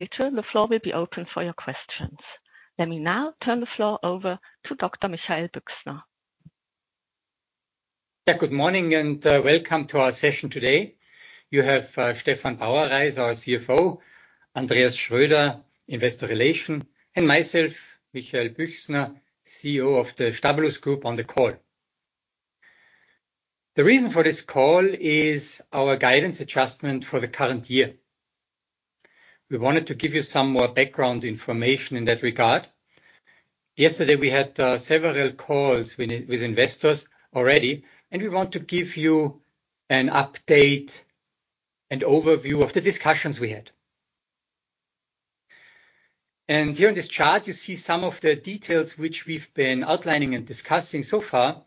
Return, the floor will be open for your questions. Let me now turn the floor over to Dr. Michael Büchsner. Yeah, good morning, and welcome to our session today. You have Stefan Bauerreis, our CFO, Andreas Schröder, Investor Relations, and myself, Michael Büchsner, CEO of the Stabilus Group, on the call. The reason for this call is our guidance adjustment for the current year. We wanted to give you some more background information in that regard. Yesterday, we had several calls with investors already, and we want to give you an update and overview of the discussions we had. Here on this chart, you see some of the details which we've been outlining and discussing so far.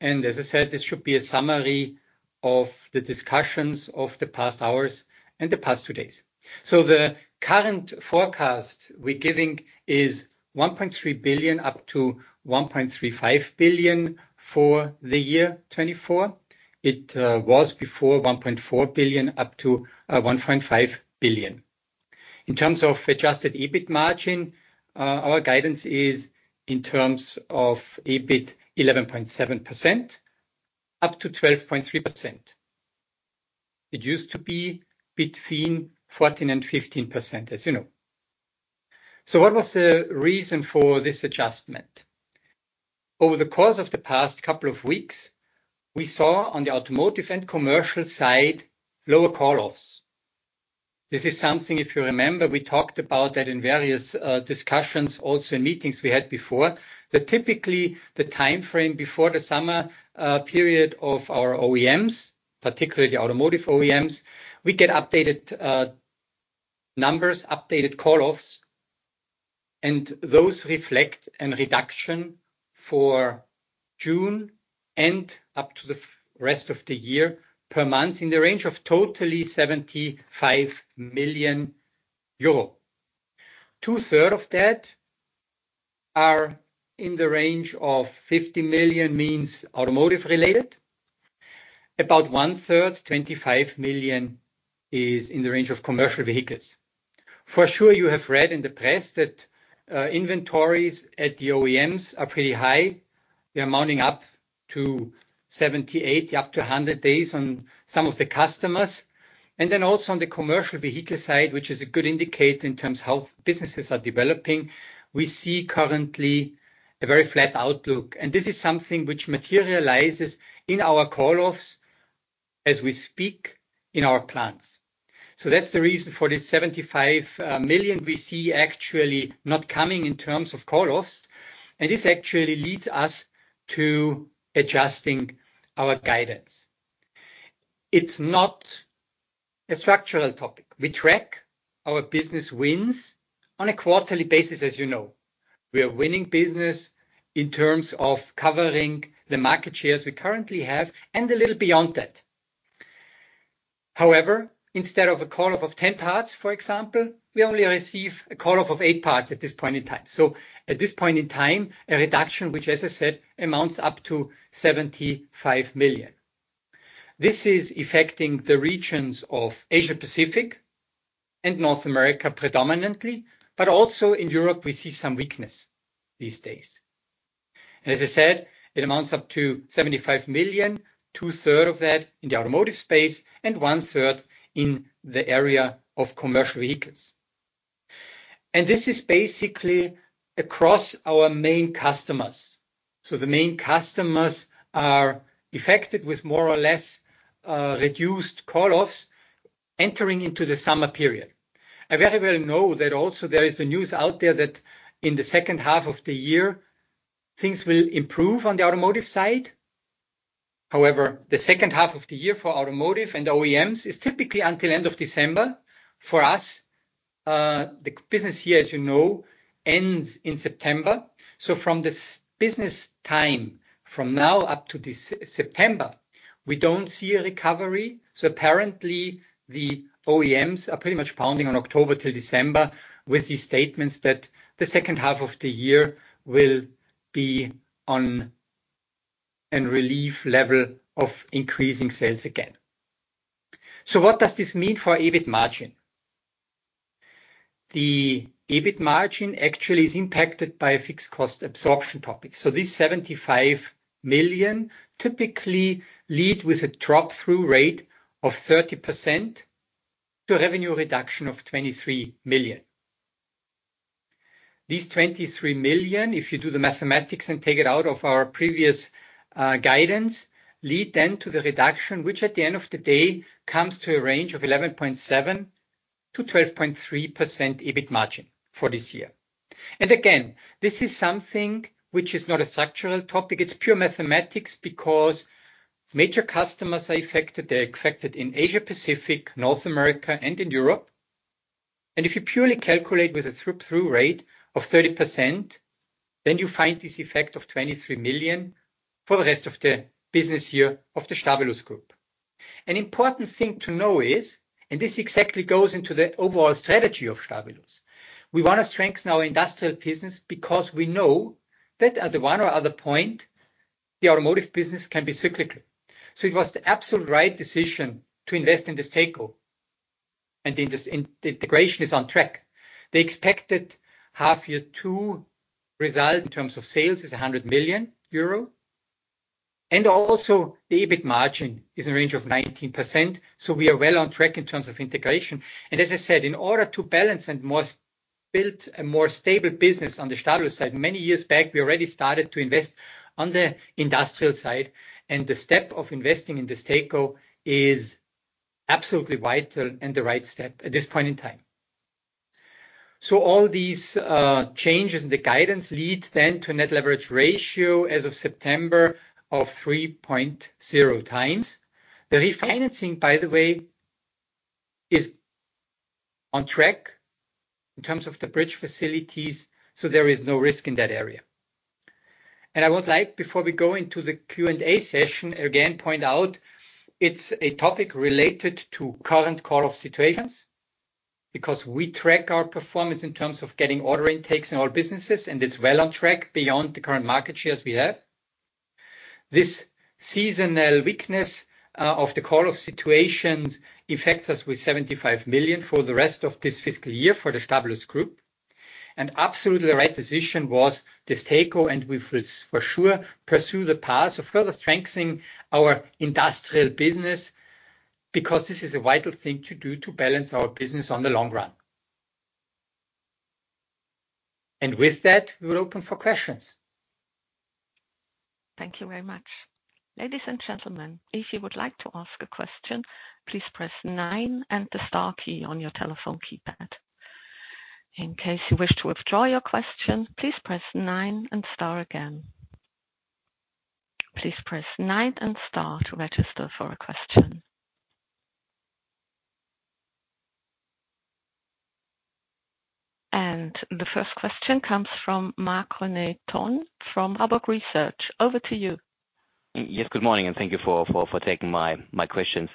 As I said, this should be a summary of the discussions of the past hours and the past two days. The current forecast we're giving is 1.3 billion up to 1.35 billion for the year 2024. It was before 1.4 billion, up to 1.5 billion. In terms of adjusted EBIT margin, our guidance is in terms of EBIT 11.7%, up to 12.3%. It used to be between 14% and 15%, as you know. So what was the reason for this adjustment? Over the course of the past couple of weeks, we saw on the automotive and commercial side, lower call-offs. This is something, if you remember, we talked about that in various discussions, also in meetings we had before. That typically the timeframe before the summer period of our OEMs, particularly the automotive OEMs, we get updated numbers, updated call-offs, and those reflect a reduction for June and up to the—for the rest of the year per month, in the range of totally 75 million euro. Two-thirds of that are in the range of 50 million, means automotive related. About one-third, 25 million, is in the range of commercial vehicles. For sure, you have read in the press that inventories at the OEMs are pretty high. They are mounting up to 70, 80, up to 100 days on some of the customers. And then also on the commercial vehicle side, which is a good indicator in terms of how businesses are developing, we see currently a very flat outlook. And this is something which materializes in our call-offs as we speak in our plants. So that's the reason for this 75 million we see actually not coming in terms of call-offs, and this actually leads us to adjusting our guidance. It's not a structural topic. We track our business wins on a quarterly basis, as you know. We are winning business in terms of covering the market shares we currently have, and a little beyond that. However, instead of a call-off of 10 parts, for example, we only receive a call-off of eight parts at this point in time. So at this point in time, a reduction, which, as I said, amounts up to 75 million. This is affecting the regions of Asia-Pacific and North America predominantly, but also in Europe, we see some weakness these days. And as I said, it amounts up to 75 million, two-thirds of that in the automotive space and one-third in the area of commercial vehicles. And this is basically across our main customers. So the main customers are affected with more or less reduced call-offs entering into the summer period. I very well know that also there is the news out there that in the second half of the year, things will improve on the automotive side. However, the second half of the year for automotive and OEMs is typically until end of December. For us, the business year, as you know, ends in September. So from this business time, from now up to this September, we don't see a recovery. So apparently, the OEMs are pretty much pounding on October till December with these statements that the second half of the year will be on an relief level of increasing sales again. So what does this mean for EBIT margin? The EBIT margin actually is impacted by a fixed cost absorption topic. So this 75 million typically lead with a drop-through rate of 30% to revenue reduction of 23 million. These 23 million, if you do the mathematics and take it out of our previous guidance, lead then to the reduction, which at the end of the day, comes to a range of 11.7%-12.3% EBIT margin for this year. And again, this is something which is not a structural topic. It's pure mathematics, because major customers are affected. They're affected in Asia-Pacific, North America, and in Europe. And if you purely calculate with a drop-through rate of 30%, then you find this effect of 23 million for the rest of the business year of the Stabilus Group. An important thing to know is, and this exactly goes into the overall strategy of Stabilus, we wanna strengthen our industrial business because we know that at the one or other point. The automotive business can be cyclical. So it was the absolute right decision to invest in this takeover, and the industrial and the integration is on track. The expected half year two result in terms of sales is 100 million euro, and also the EBIT margin is in range of 19%, so we are well on track in terms of integration. And as I said, in order to balance and more, build a more stable business on the Stabilus side, many years back, we already started to invest on the industrial side, and the step of investing in this takeover is absolutely vital and the right step at this point in time. So all these changes in the guidance lead then to a net leverage ratio as of September of 3.0 times. The refinancing, by the way, is on track in terms of the bridge facilities, so there is no risk in that area. I would like, before we go into the Q&A session, again, point out it's a topic related to current call-off situations, because we track our performance in terms of getting order intakes in all businesses, and it's well on track beyond the current market shares we have. This seasonal weakness of the call-off situations affects us with 75 million for the rest of this fiscal year for the Stabilus Group. Absolutely the right decision was this takeover, and we will for sure pursue the path of further strengthening our industrial business, because this is a vital thing to do to balance our business on the long run. With that, we're open for questions. Thank you very much. Ladies and gentlemen, if you would like to ask a question, please press nine and the star key on your telephone keypad. In case you wish to withdraw your question, please press nine and star again. Please press nine and star to register for a question. And the first question comes from Marc-René Tonn from Warburg Research. Over to you. Yes, good morning, and thank you for taking my questions.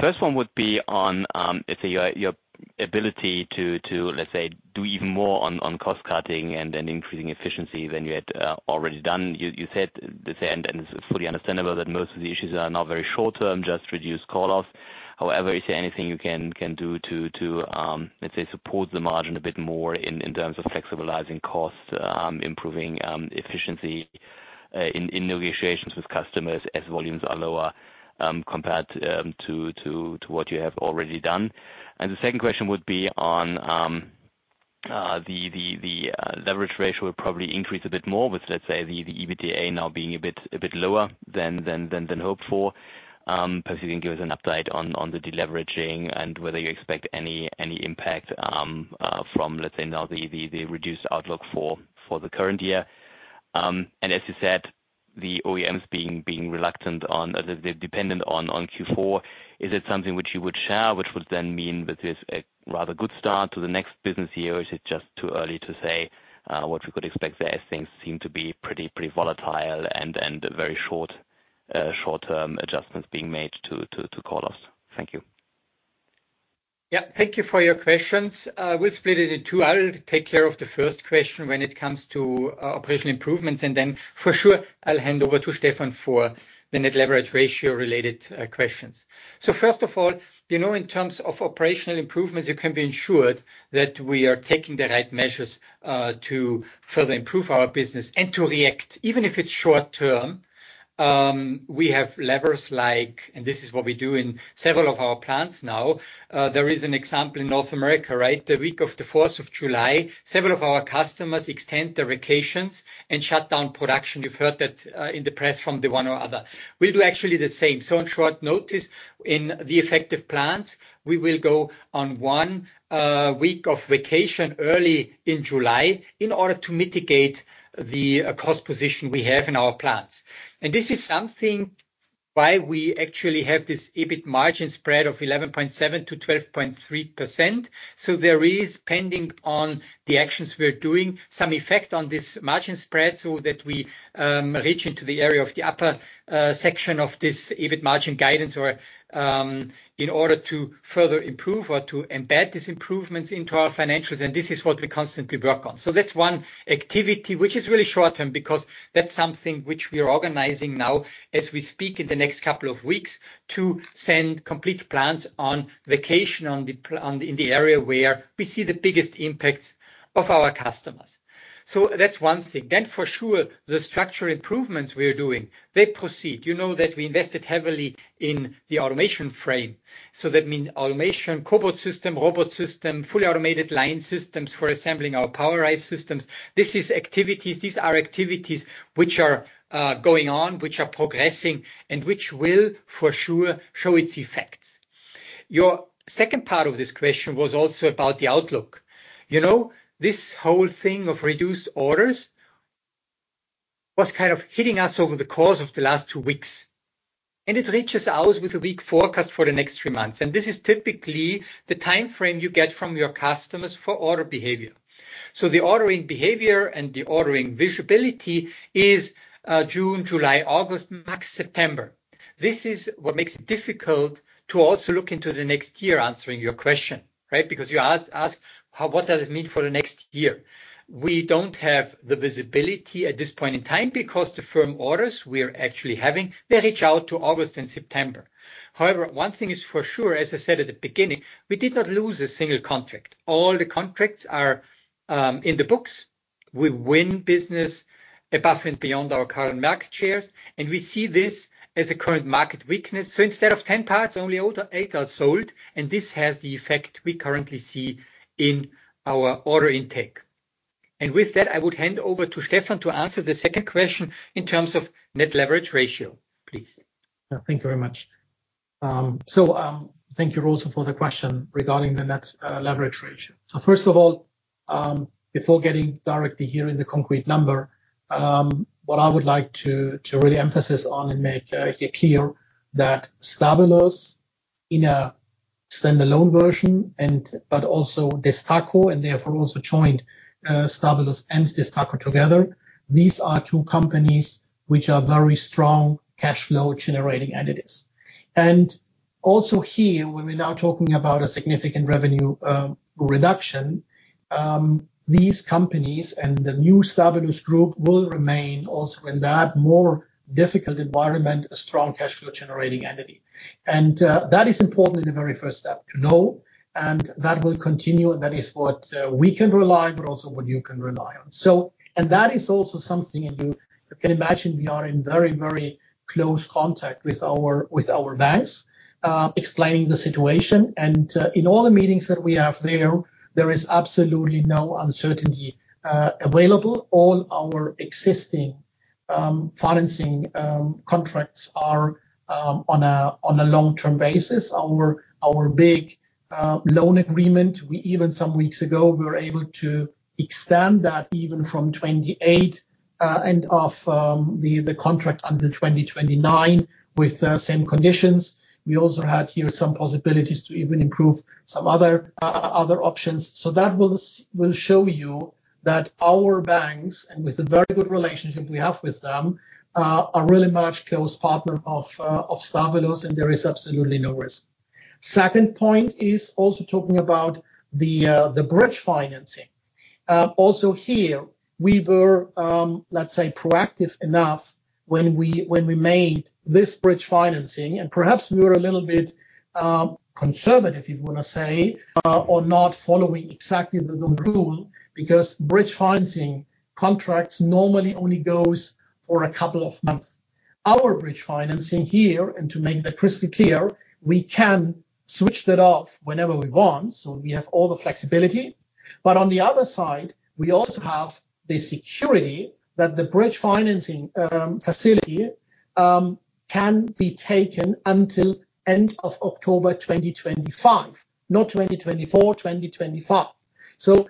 First one would be on, let's say, your ability to, let's say, do even more on cost cutting and increasing efficiency than you had already done. You said the same, and this is fully understandable, that most of the issues are not very short term, just reduce call-offs. However, is there anything you can do to, let's say, support the margin a bit more in terms of flexibilizing costs, improving efficiency in negotiations with customers as volumes are lower, compared to what you have already done? The second question would be on the leverage ratio will probably increase a bit more with, let's say, the EBITDA now being a bit lower than hoped for. Perhaps you can give us an update on the deleveraging and whether you expect any impact from, let's say, now, the reduced outlook for the current year. And as you said, the OEMs being reluctant on... They're dependent on Q4. Is it something which you would share, which would then mean this is a rather good start to the next business year, or is it just too early to say what we could expect there, as things seem to be pretty volatile and very short-term adjustments being made to call-offs? Thank you. Yeah, thank you for your questions. We'll split it in two. I'll take care of the first question when it comes to operational improvements, and then for sure, I'll hand over to Stefan for the net leverage ratio related questions. So first of all, you know, in terms of operational improvements, you can be ensured that we are taking the right measures to further improve our business and to react. Even if it's short term, we have levers like... And this is what we do in several of our plants now. There is an example in North America, right? The week of the Fourth of July, several of our customers extend their vacations and shut down production. You've heard that in the press from the one or other. We do actually the same. So on short notice, in the effective plants, we will go on one week of vacation early in July in order to mitigate the cost position we have in our plants. This is something why we actually have this EBIT margin spread of 11.7%-12.3%. So there is, depending on the actions we are doing, some effect on this margin spread, so that we reach into the area of the upper section of this EBIT margin guidance or in order to further improve or to embed these improvements into our financials, and this is what we constantly work on. So that's one activity which is really short term, because that's something which we are organizing now as we speak, in the next couple of weeks, to send complete plants on vacation on the, in the area where we see the biggest impacts of our customers. So that's one thing. Then, for sure, the structural improvements we are doing, they proceed. You know that we invested heavily in the automation frame, so that means automation, cobot system, robot system, fully automated line systems for assembling our Powerise systems. These are activities which are going on, which are progressing and which will, for sure, show its effects. Your second part of this question was also about the outlook. You know, this whole thing of reduced orders was kind of hitting us over the course of the last two weeks, and it reaches out with a weak forecast for the next three months. This is typically the time frame you get from your customers for order behavior. The ordering behavior and the ordering visibility is June, July, August, max September... This is what makes it difficult to also look into the next year, answering your question, right? Because you ask, ask, how, what does it mean for the next year? We don't have the visibility at this point in time because the firm orders we are actually having, they reach out to August and September. However, one thing is for sure, as I said at the beginning, we did not lose a single contract. All the contracts are in the books. We win business above and beyond our current market shares, and we see this as a current market weakness. Instead of 10 parts, only out of eight are sold, and this has the effect we currently see in our order intake. With that, I would hand over to Stefan to answer the second question in terms of net leverage ratio, please. Thank you very much. So, thank you also for the question regarding the net leverage ratio. So first of all, before getting directly here in the concrete number, what I would like to, to really emphasize on and make clear, that Stabilus, in a standalone version, and but also Destaco, and therefore also joint Stabilus and Destaco together, these are two companies which are very strong cash flow generating entities. And also here, when we're now talking about a significant revenue reduction, these companies and the new Stabilus group will remain also in that more difficult environment, a strong cash flow generating entity. And, that is important in the very first step to know, and that will continue, and that is what we can rely on, but also what you can rely on. So and that is also something, and you can imagine we are in very, very close contact with our banks, explaining the situation. And, in all the meetings that we have there, there is absolutely no uncertainty available. All our existing financing contracts are on a long-term basis. Our big loan agreement, we even some weeks ago, we were able to extend that even from 2028 end of the contract under 2029 with the same conditions. We also had here some possibilities to even improve some other options. So that will show you that our banks, and with the very good relationship we have with them, are really much close partner of Stabilus, and there is absolutely no risk. Second point is also talking about the bridge financing. Also here, we were, let's say, proactive enough when we made this bridge financing, and perhaps we were a little bit conservative, if you wanna say, or not following exactly the rule, because bridge financing contracts normally only goes for a couple of months. Our bridge financing here, and to make that crystal clear, we can switch that off whenever we want, so we have all the flexibility. But on the other side, we also have the security that the bridge financing facility can be taken until end of October 2025, not 2024, 2025. So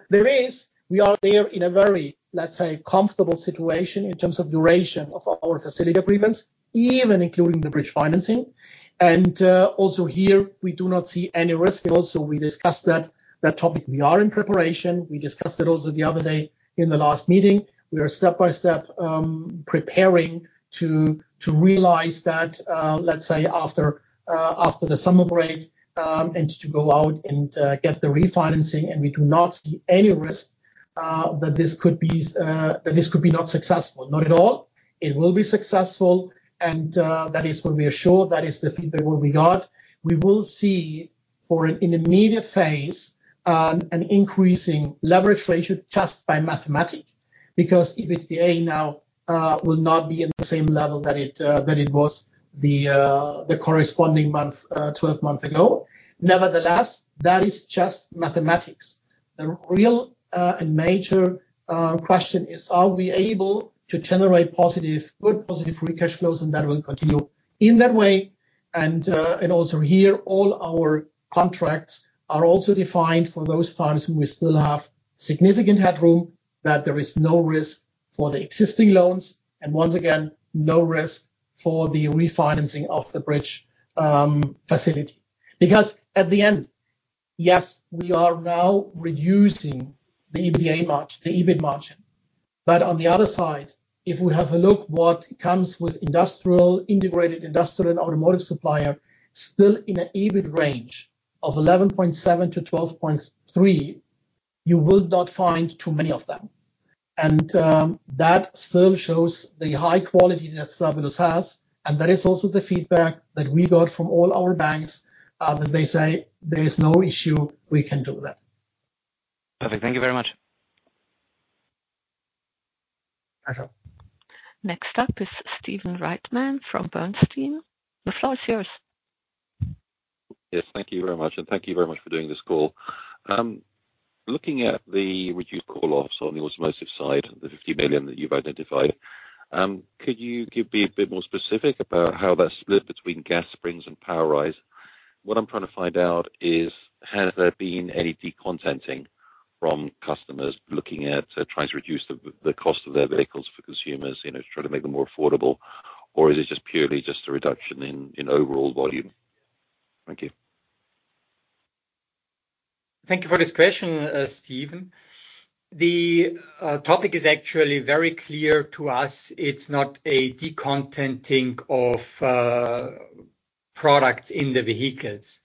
we are there in a very, let's say, comfortable situation in terms of duration of our facility agreements, even including the bridge financing. And also here, we do not see any risk. And also we discussed that topic. We are in preparation. We discussed it also the other day in the last meeting. We are step by step preparing to realize that, let's say, after the summer break, and to go out and get the refinancing, and we do not see any risk that this could be not successful. Not at all. It will be successful, and that is gonna be assured, that is the feedback what we got. We will see for an immediate phase an increasing leverage ratio just by mathematics, because if it's the EBITDA now will not be at the same level that it was the corresponding month 12 months ago. Nevertheless, that is just mathematics. The real and major question is: Are we able to generate positive, good, positive free cash flows? And that will continue in that way. And, and also here, all our contracts are also defined for those times, and we still have significant headroom, that there is no risk for the existing loans, and once again, no risk for the refinancing of the bridge, facility. Because at the end, yes, we are now reusing the EBITDA margin, the EBIT margin, but on the other side, if we have a look what comes with industrial, integrated industrial and automotive supplier, still in an EBIT range of 11.7%-12.3%, you will not find too many of them. And that still shows the high quality that Stabilus has, and that is also the feedback that we got from all our banks, that they say, "There is no issue, we can do that. Perfect. Thank you very much. Awesome. Next up is Stephen Reitman from Bernstein. The floor is yours. Yes, thank you very much, and thank you very much for doing this call. Looking at the reduced call-offs on the automotive side, the 50 million that you've identified, could you give me a bit more specific about how that's split between gas springs and Powerise? What I'm trying to find out is, has there been any decontenting from customers looking at trying to reduce the cost of their vehicles for consumers, you know, to try to make them more affordable, or is it just purely just a reduction in overall volume? Thank you. Thank you for this question, Stephen. The topic is actually very clear to us. It's not a decontenting of products in the vehicles.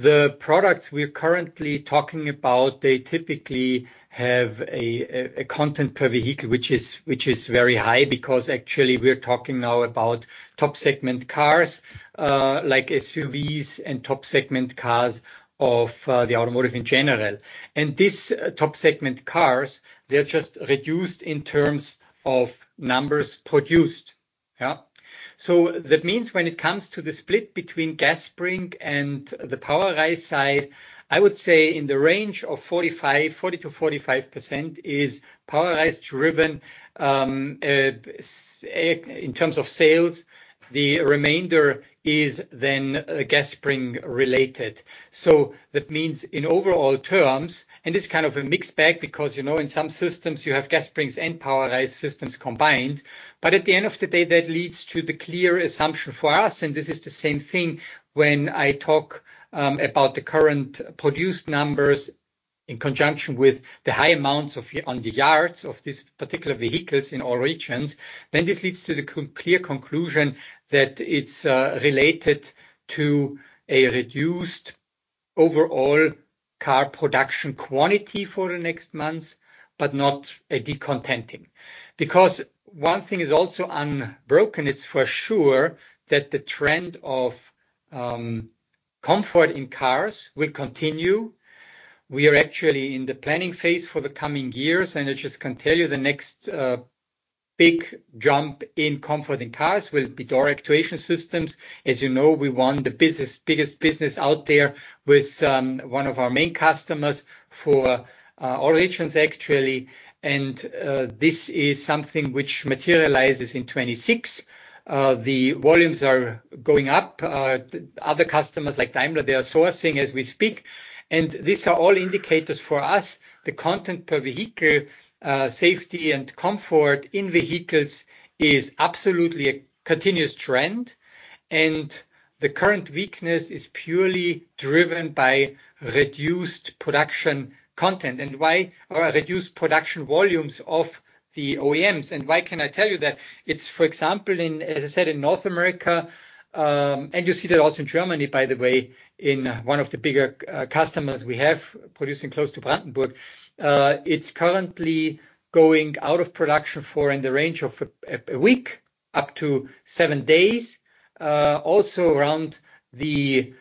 The products we are currently talking about, they typically have a content per vehicle, which is very high, because actually we're talking now about top segment cars, like SUVs and top segment cars of the automotive in general. And these top segment cars, they're just reduced in terms of numbers produced. Yeah? So that means when it comes to the split between gas spring and the Powerise side, I would say in the range of 40%-45% is Powerise driven. In terms of sales, the remainder is then gas spring related. So that means in overall terms, and it's kind of a mixed bag, because, you know, in some systems you have gas springs and Powerise systems combined. But at the end of the day, that leads to the clear assumption for us, and this is the same thing when I talk about the current produced numbers in conjunction with the high amounts of inventory on the yards of these particular vehicles in all regions. Then this leads to the clear conclusion that it's related to a reduced overall car production quantity for the next months, but not a decontenting. Because one thing is also unbroken, it's for sure that the trend of comfort in cars will continue. We are actually in the planning phase for the coming years, and I just can tell you, the next big jump in comfort in cars will be door actuation systems. As you know, we won the biggest business out there with one of our main customers for all regions, actually, and this is something which materializes in 2026. The volumes are going up. Other customers, like Daimler, they are sourcing as we speak. And these are all indicators for us. The content per vehicle, safety and comfort in vehicles is absolutely a continuous trend, and the current weakness is purely driven by reduced production content. And why? Or reduced production volumes of the OEMs. And why can I tell you that? It's, for example, in, as I said, in North America, and you see that also in Germany, by the way, in one of the bigger customers we have producing close to Brandenburg. It's currently going out of production for in the range of a week, up to 7 days, also around the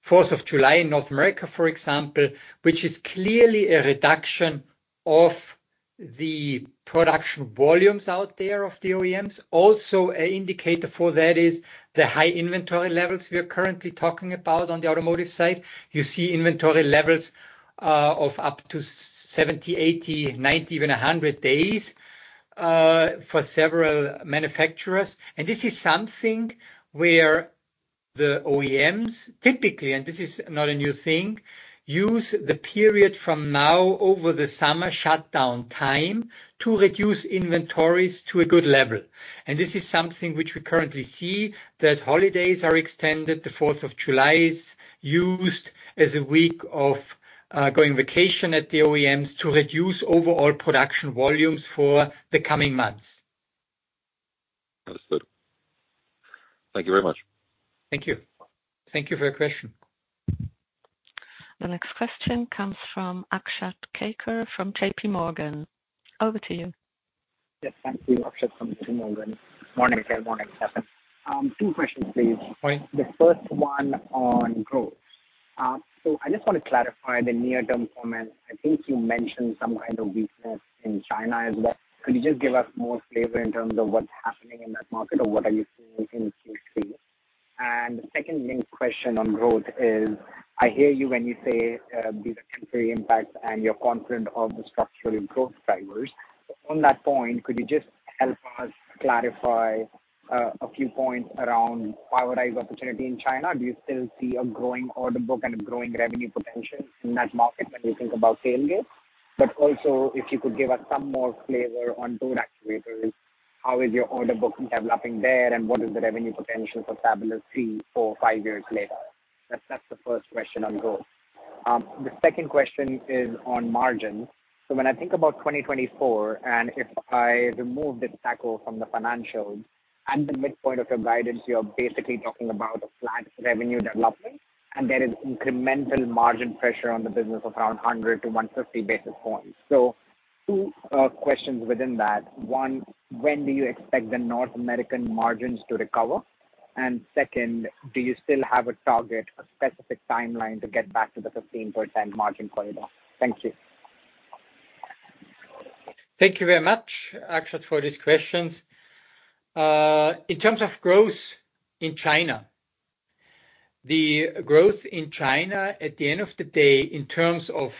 Fourth of July in North America, for example, which is clearly a reduction of the production volumes out there of the OEMs. Also, an indicator for that is the high inventory levels we are currently talking about on the automotive side. You see inventory levels of up to 70, 80, 90, even 100 days for several manufacturers. And this is something where the OEMs typically, and this is not a new thing, use the period from now over the summer shutdown time to reduce inventories to a good level. This is something which we currently see, that holidays are extended. The Fourth of July is used as a week of going vacation at the OEMs to reduce overall production volumes for the coming months. Understood. Thank you very much. Thank you. Thank you for your question. The next question comes from Akshat Kacker from J.P. Morgan. Over to you. Yes, thank you. Akshat from J.P. Morgan. Morning, everyone. Good morning, Stefan. Two questions, please. Fine. The first one on growth. So I just want to clarify the near-term performance. I think you mentioned some kind of weakness in China as well. Could you just give us more flavor in terms of what's happening in that market or what are you seeing in Q3? And the second linked question on growth is, I hear you when you say these are temporary impacts, and you're confident of the structural growth drivers. So on that point, could you just help us clarify a few points around Powerise opportunity in China? Do you still see a growing order book and a growing revenue potential in that market when you think about tailgate? But also, if you could give us some more flavor on door actuators, how is your order book developing there, and what is the revenue potential for, say, three, four, five years later? That, that's the first question on growth. The second question is on margins. So when I think about 2024, and if I remove the Destaco from the financials and the midpoint of your guidance, you're basically talking about a flat revenue development, and there is incremental margin pressure on the business of around 100-150 basis points. So two questions within that. One, when do you expect the North American margins to recover? And second, do you still have a target, a specific timeline, to get back to the 15% margin corridor? Thank you. Thank you very much, Akshat, for these questions. In terms of growth in China, the growth in China, at the end of the day, in terms of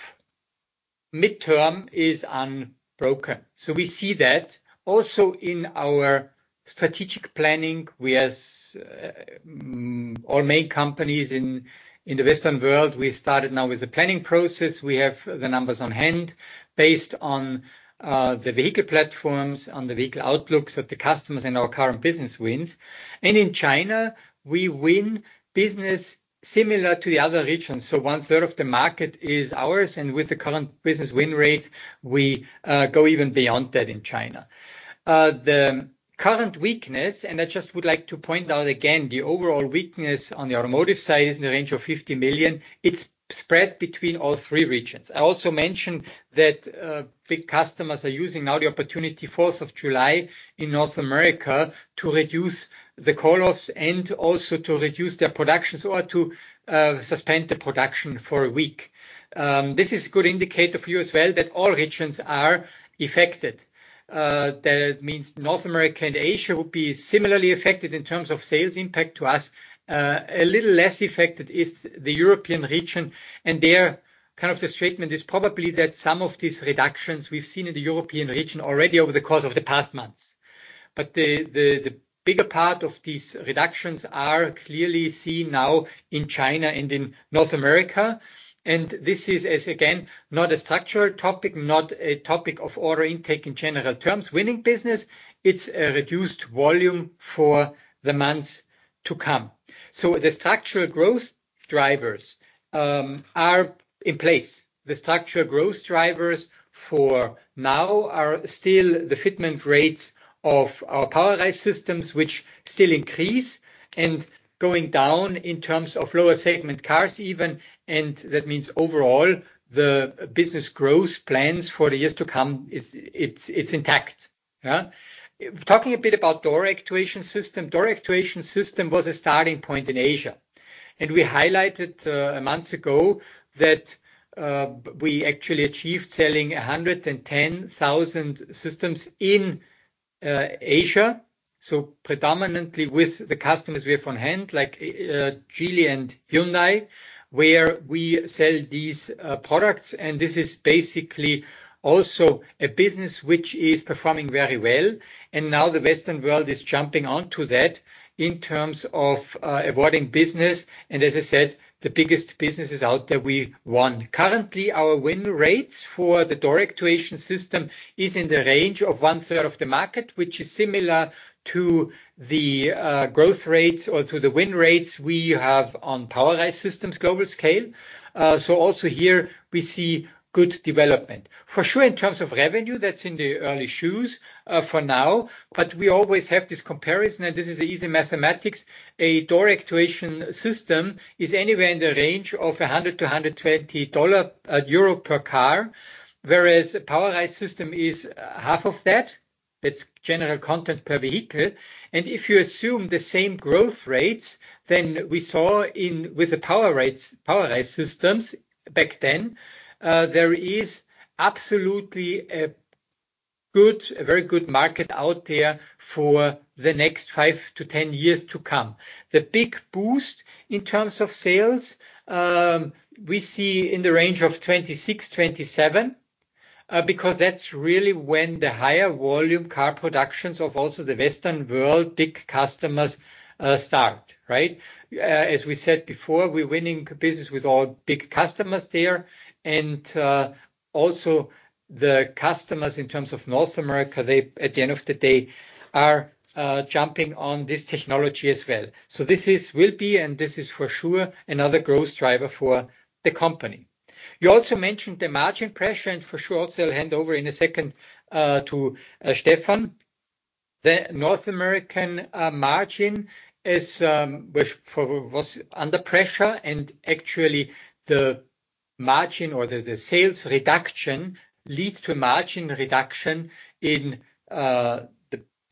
midterm, is unbroken. So we see that. Also, in our strategic planning, we, all main companies in the Western world, we started now with the planning process. We have the numbers on hand based on the vehicle platforms, on the vehicle outlooks of the customers and our current business wins. And in China, we win business similar to the other regions, so one-third of the market is ours, and with the current business win rates, we go even beyond that in China. The current weakness, and I just would like to point out again, the overall weakness on the automotive side is in the range of 50 million. It's spread between all three regions. I also mentioned that big customers are using now the opportunity, Fourth of July in North America, to reduce the call-offs and also to reduce their production or to suspend the production for a week. This is a good indicator for you as well, that all regions are affected. That means North America and Asia will be similarly affected in terms of sales impact to us. A little less affected is the European region, and there, kind of, the statement is probably that some of these reductions we've seen in the European region already over the course of the past months. But the bigger part of these reductions are clearly seen now in China and in North America, and this is, as again, not a structural topic, not a topic of order intake in general terms, winning business. It's a reduced volume for the months to come. So the structural growth drivers are in place. The structural growth drivers for now are still the fitment rates of our Powerise systems, which still increase, and going down in terms of lower segment cars even, and that means overall, the business growth plans for the years to come is- it's, it's intact. Yeah. Talking a bit about door actuation system. Door actuation system was a starting point in Asia, and we highlighted months ago that we actually achieved selling 110,000 systems in Asia, so predominantly with the customers we have on hand, like Geely and Hyundai, where we sell these products. This is basically also a business which is performing very well, and now the Western world is jumping on to that in terms of awarding business, and as I said, the biggest businesses out there, we won. Currently, our win rates for the door actuation systemis in the range of one-third of the market, which is similar to the growth rates or to the win rates we have on Powerise systems global scale. So also here, we see good development. For sure, in terms of revenue, that's in the early stages for now, but we always have this comparison, and this is easy mathematics. A door actuation system is anywhere in the range of 100-120 EUR per car, whereas a Powerise system is half of that. It's general content per vehicle. If you assume the same growth rates than we saw with the POWERISE back then, there is absolutely a good, a very good market out there for the next five to 10 years to come. The big boost in terms of sales, we see in the range of 2026, 2027, because that's really when the higher volume car productions of also the Western world, big customers, start, right? As we said before, we're winning business with all big customers there. And, also the customers in terms of North America, they, at the end of the day, are, jumping on this technology as well. So this is will be, and this is for sure, another growth driver for the company. You also mentioned the margin pressure, and for sure, also I'll hand over in a second to Stefan. The North American margin is, which was under pressure, and actually, the margin or the sales reduction lead to margin reduction in the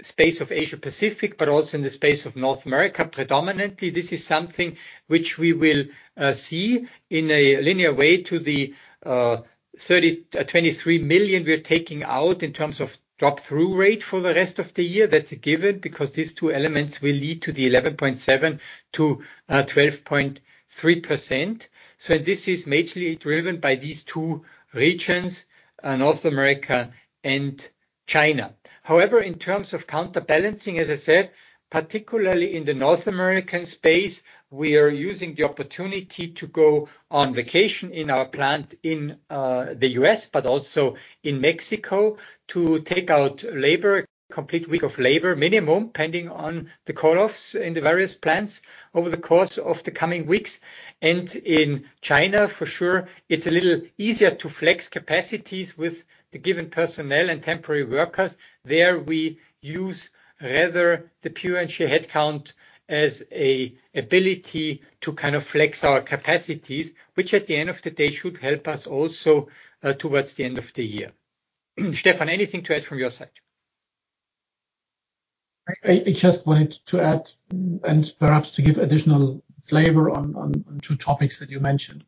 space of Asia Pacific, but also in the space of North America. Predominantly, this is something which we will see in a linear way to the 23 million we are taking out in terms of drop-through rate for the rest of the year. That's a given, because these two elements will lead to the 11.7%-12.3%. So this is majorly driven by these two regions, North America and China. However, in terms of counterbalancing, as I said, particularly in the North American space, we are using the opportunity to go on vacation in our plant in the U.S., but also in Mexico, to take out labor, a complete week of labor minimum, depending on the call-offs in the various plants over the course of the coming weeks. In China, for sure, it's a little easier to flex capacities with the given personnel and temporary workers. There, we use rather the pure and sheer headcount as an ability to kind of flex our capacities, which at the end of the day, should help us also towards the end of the year. Stefan, anything to add from your side? I just wanted to add, and perhaps to give additional flavor on two topics that you mentioned.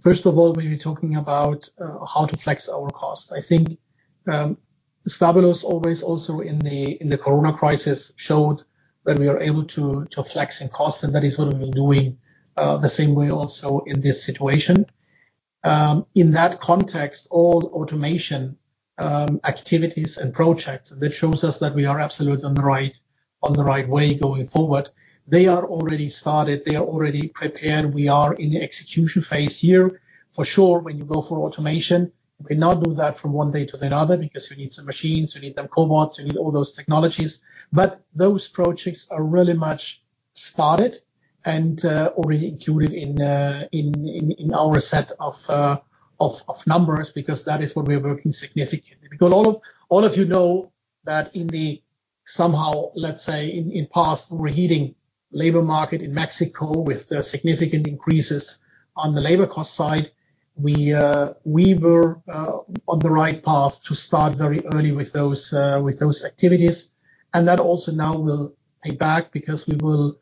First of all, when you're talking about how to flex our cost, I think Stabilus always also in the corona crisis showed that we are able to flexing costs, and that is what we've been doing the same way also in this situation. In that context, all automation activities and projects that shows us that we are absolutely on the right way going forward. They are already started. They are already prepared. We are in the execution phase here. For sure, when you go for automation, you cannot do that from one day to another because you need some machines, you need the cobots, you need all those technologies. But those projects are really much, started and already included in our set of numbers, because that is what we are working significantly. Because all of you know that in the somehow, let's say, in the past, we're hitting labor market in Mexico with significant increases on the labor cost side. We were on the right path to start very early with those activities, and that also now will pay back because we will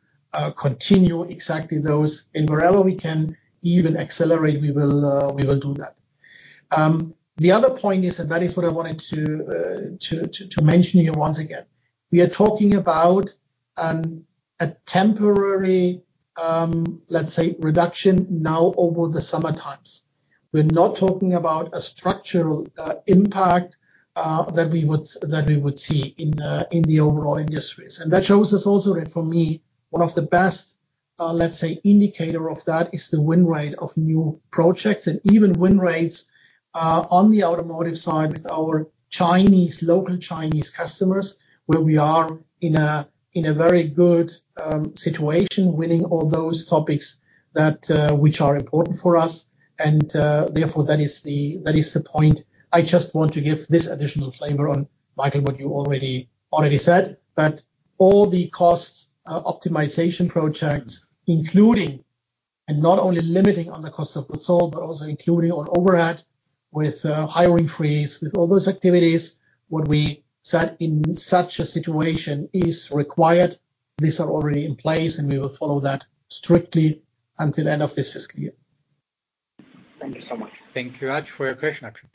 continue exactly those. And wherever we can even accelerate, we will do that. The other point is, and that is what I wanted to mention here once again, we are talking about a temporary, let's say, reduction now over the summer times. We're not talking about a structural impact that we would see in the overall industries. And that shows us also, and for me, one of the best, let's say, indicator of that, is the win rate of new projects, and even win rates on the automotive side with our Chinese, local Chinese customers, where we are in a very good situation, winning all those topics that which are important for us. And therefore, that is the point. I just want to give this additional flavor on, Michael, what you already said, that all the cost optimization projects, including, and not only limiting on the cost of goods sold, but also including on overhead with hiring freeze, with all those activities, what we said in such a situation is required. These are already in place, and we will follow that strictly until the end of this fiscal year. Thank you so much. Thank you much for your question, Akshat.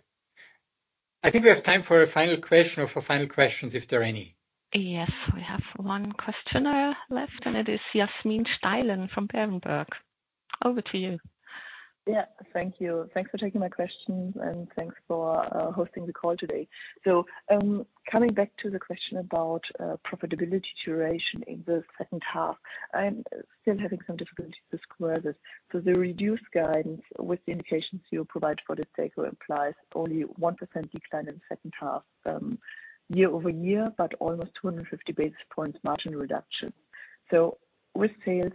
I think we have time for a final question or for final questions, if there are any. Yes, we have one questioner left, and it is Yasmin Steilen from Berenberg. Over to you. Yeah. Thank you. Thanks for taking my question, and thanks for hosting the call today. So, coming back to the question about profitability duration in the second half, I'm still having some difficulty to square this. So the reduced guidance with the indications you provide for the stake implies only 1% decline in the second half, year over year, but almost 250 basis points margin reduction. So with sales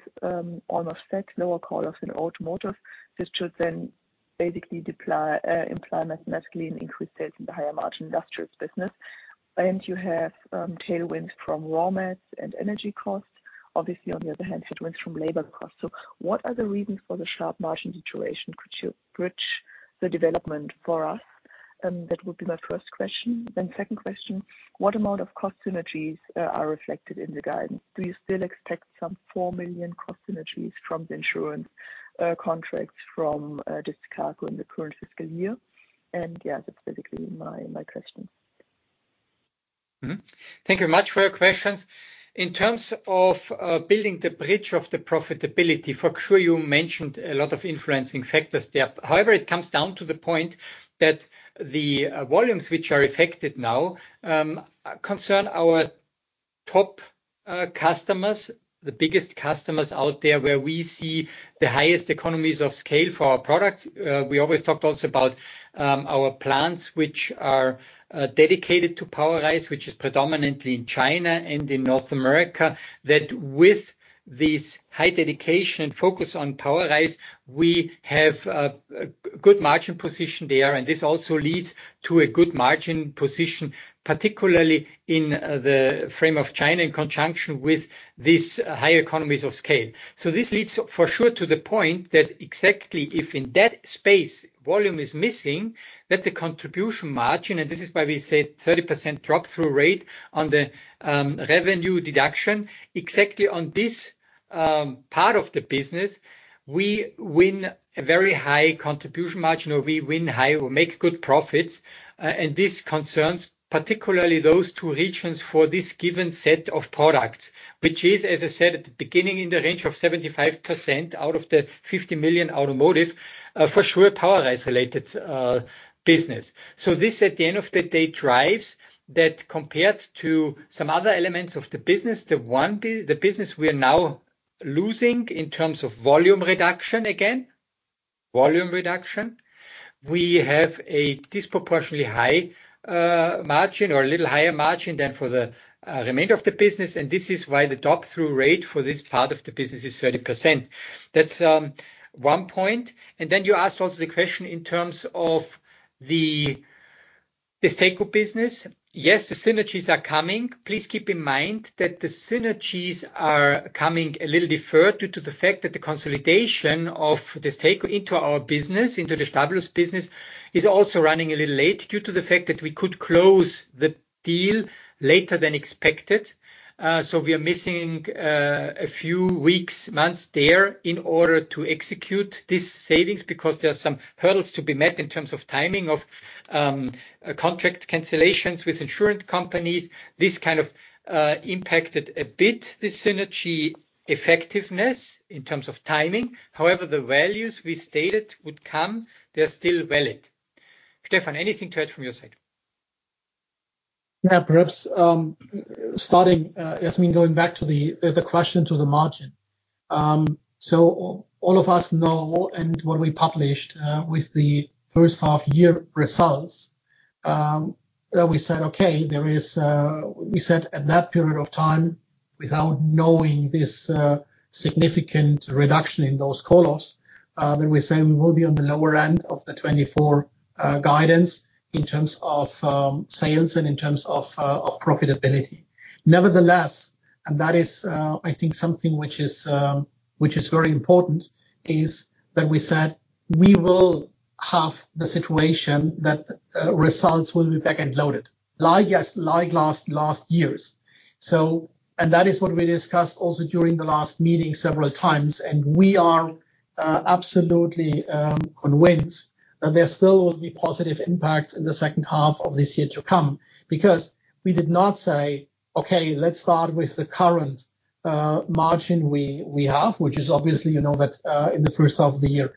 almost set lower cost than automotive, this should then basically deploy imply mathematically an increased sales in the higher margin industrials business. And you have tailwinds from raw mats and energy costs. Obviously, on the other hand, headwinds from labor costs. So what are the reasons for the sharp margin situation? Could you bridge the development for us? That would be my first question. Then second question, what amount of cost synergies are reflected in the guidance? Do you still expect some 4 million cost synergies from the insurance contracts from DESTACO in the current fiscal year? Yeah, that's basically my, my question. Mm-hmm. Thank you much for your questions. In terms of building the bridge of the profitability, for sure, you mentioned a lot of influencing factors there. However, it comes down to the point that the volumes which are affected now concern our top customers, the biggest customers out there, where we see the highest economies of scale for our products. We always talked also about our plants, which are dedicated to POWERISE, which is predominantly in China and in North America, that with this high dedication and focus on POWERISE, we have a good margin position there, and this also leads to a good margin position, particularly in the frame of China, in conjunction with these high economies of scale. So this leads for sure to the point that exactly, if in that space, volume is missing, that the contribution margin, and this is why we said 30% drop-through rate on the revenue deduction. Exactly on this part of the business, we win a very high contribution margin, or we win high or make good profits. And this concerns particularly those two regions for this given set of products, which is, as I said at the beginning, in the range of 75% out of the 50 million automotive, for sure, Powerise-related business. So this, at the end of the day, drives that compared to some other elements of the business, the business we are now losing in terms of volume reduction, again, volume reduction. We have a disproportionately high margin or a little higher margin than for the remainder of the business, and this is why the drop-through rate for this part of the business is 30%. That's one point. And then you asked also the question in terms of the DESTACO business. Yes, the synergies are coming. Please keep in mind that the synergies are coming a little deferred due to the fact that the consolidation of the DESTACO into our business, into the Stabilus business, is also running a little late due to the fact that we could close the deal later than expected. So we are missing a few weeks, months there in order to execute these savings because there are some hurdles to be met in terms of timing of contract cancellations with insurance companies. This kind of impacted a bit the synergy effectiveness in terms of timing. However, the values we stated would come, they're still valid. Stefan, anything to add from your side? Yeah, perhaps starting, Yasmin, going back to the question to the margin. So all of us know, and what we published with the first half year results, then we said, "Okay, there is..." We said at that period of time, without knowing this significant reduction in those call-offs, then we said we will be on the lower end of the 24 guidance in terms of sales and in terms of profitability. Nevertheless, and that is, I think something which is very important, is that we said we will have the situation that results will be back and loaded, like yes, like last year's. That is what we discussed also during the last meeting several times, and we are absolutely convinced that there still will be positive impacts in the second half of this year to come. Because we did not say, "Okay, let's start with the current margin we have," which is obviously, you know, that in the first half of the year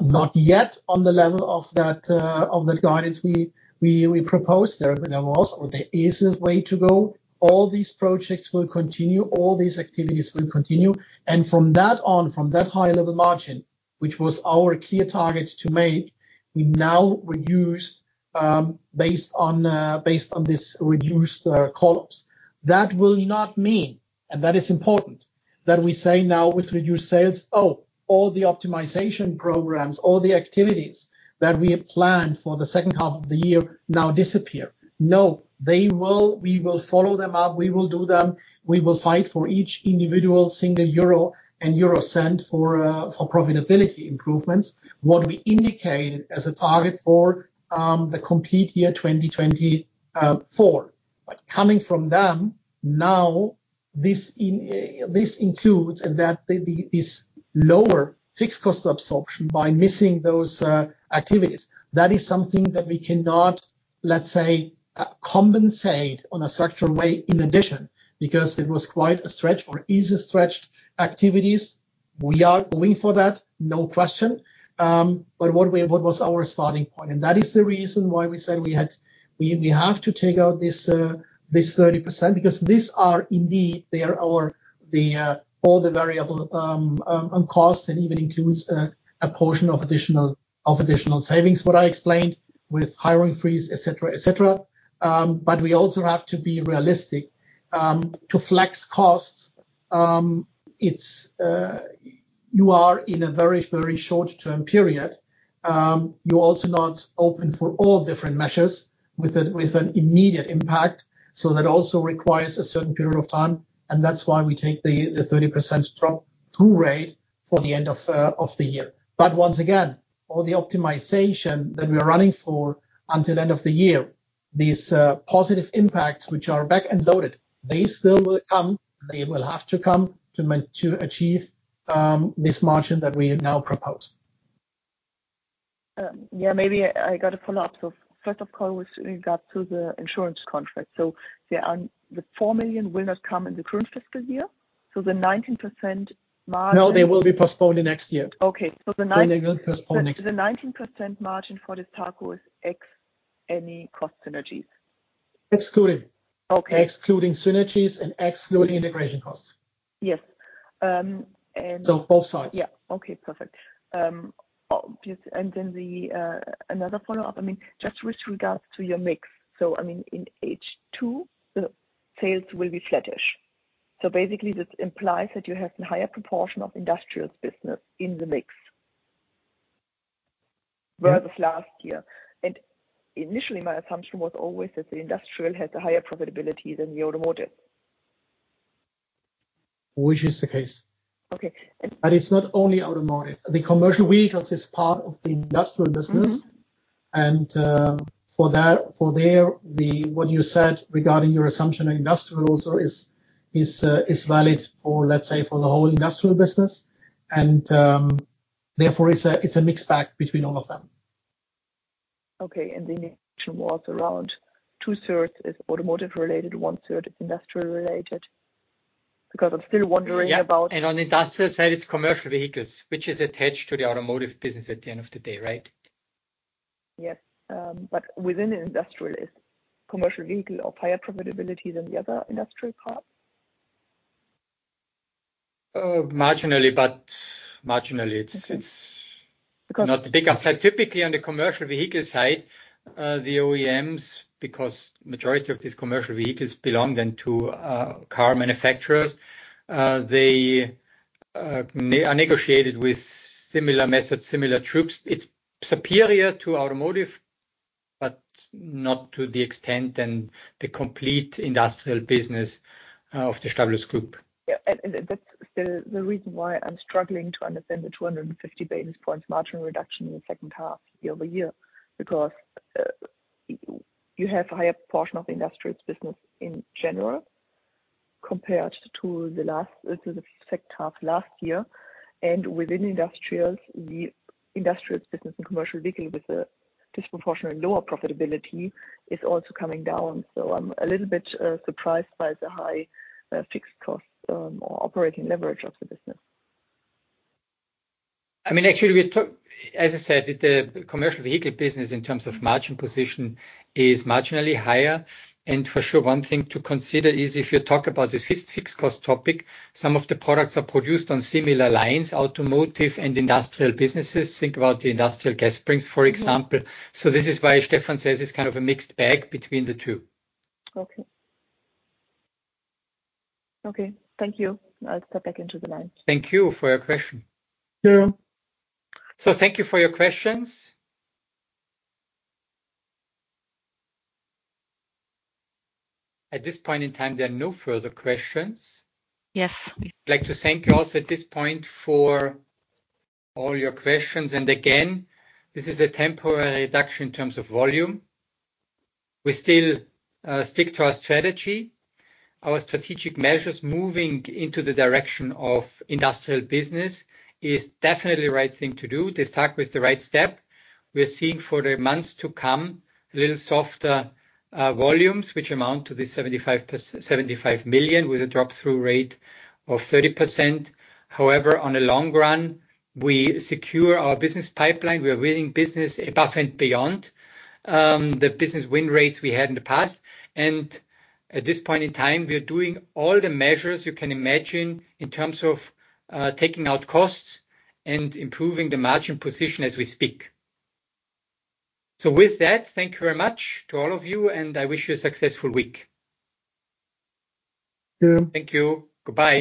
not yet on the level of that of that guidance we proposed. There was or there is a way to go. All these projects will continue, all these activities will continue, and from that high level margin, which was our clear target to make, we now reduced based on this reduced call-offs. That will not mean, and that is important, that we say now with reduced sales, "Oh, all the optimization programs, all the activities that we have planned for the second half of the year now disappear." No, they will. We will follow them up. We will do them. We will fight for each individual single euro and euro cent for profitability improvements, what we indicated as a target for the complete year 2024. But coming from them, now, this includes and that the this lower fixed cost absorption by missing those activities. That is something that we cannot, let's say, compensate on a structural way in addition, because it was quite a stretch or easy stretched activities. We are going for that, no question. But what we—what was our starting point? And that is the reason why we said we have to take out this 30%, because these are indeed they are our all the variable costs, and even includes a portion of additional, of additional savings, what I explained, with hiring freeze, et cetera, et cetera. But we also have to be realistic to flex costs. It's you are in a very, very short-term period. You're also not open for all different measures with an immediate impact, so that also requires a certain period of time, and that's why we take the 30% drop-through rate for the end of the year. But once again, all the optimization that we are running for until the end of the year, these positive impacts, which are back and loaded, they still will come. They will have to come to achieve this margin that we now propose. Yeah, maybe I got a follow-up. So first of all, with regards to the insurance contract. So there are... The 4 million will not come in the current fiscal year, so the 19% margin- No, they will be postponed to next year. Okay, so the nine- They will postpone next year. The 19% margin for this Destaco is ex any cost synergies? Excluding. Okay. Excluding synergies and excluding integration costs. Yes, and So both sides. Yeah. Okay, perfect. Oh, just and then another follow-up, I mean, just with regards to your mix. So I mean, in H2, the sales will be flattish. So basically, this implies that you have a higher proportion of industrials business in the mix- Yes... versus last year. Initially, my assumption was always that the industrial has a higher profitability than the automotive. Which is the case. Okay, and- But it's not only automotive. The Commercial Vehicles is part of the Industrial Business. And, for that, what you said regarding your assumption on industrial also is valid for, let's say, for the whole industrial business, and therefore, it's a mixed bag between all of them. Okay, and that was around two-thirds automotive related, one-third industrial related? Because I'm still wondering about- Yeah, and on the industrial side, it's commercial vehicles, which is attached to the automotive business at the end of the day, right? Yes. But within industrial, is commercial vehicle of higher profitability than the other industrial parts? Marginally, but marginally, it's Okay. Not the bigger. Typically, on the commercial vehicle side, the OEMs, because majority of these commercial vehicles belong then to car manufacturers, they are negotiated with similar methods, similar terms. It's superior to automotive, but not to the extent and the complete industrial business of the Stabilus Group. Yeah, that's the reason why I'm struggling to understand the 250 basis points margin reduction in the second half year-over-year. Because you have a higher portion of the industrials business in general, compared to the second half last year. And within industrials, the industrials business and commercial vehicle with a disproportionately lower profitability, is also coming down. So I'm a little bit surprised by the high fixed cost or operating leverage of the business. I mean, actually, as I said, the commercial vehicle business, in terms of margin position, is marginally higher. And for sure, one thing to consider is if you talk about this fixed cost topic, some of the products are produced on similar lines, automotive and industrial businesses. Think about the industrial gas springs, for example. So this is why Stefan says it's kind of a mixed bag between the two. Okay. Okay, thank you. I'll step back into the line. Thank you for your question. Yeah. Thank you for your questions. At this point in time, there are no further questions. Yes. I'd like to thank you also at this point for all your questions, and again, this is a temporary reduction in terms of volume. We still stick to our strategy. Our strategic measures moving into the direction of Industrial Business is definitely the right thing to do. This talk was the right step. We're seeing for the months to come, a little softer volumes, which amount to 75 million, with a Drop-through Rate of 30%. However, on the long run, we secure our business pipeline. We are winning business above and beyond the business win rates we had in the past. And at this point in time, we are doing all the measures you can imagine in terms of taking out costs and improving the margin position as we speak. With that, thank you very much to all of you, and I wish you a successful week. Thank you. Thank you. Goodbye.